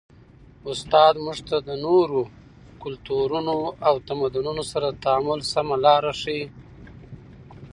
استاد موږ ته د نورو کلتورونو او تمدنونو سره د تعامل سمه لاره ښيي.